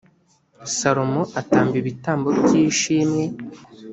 salomo atamba ibitambo by ‘ishimwe.